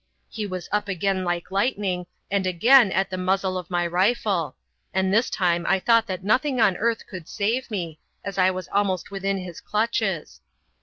He was up again like lightning, and again at the muzzle of my rifle; and this time I thought that nothing on earth could save me, as I was almost within his clutches.